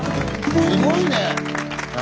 すごいね！